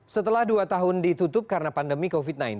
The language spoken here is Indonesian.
setelah dua tahun ditutup karena pandemi covid sembilan belas